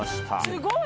すごい。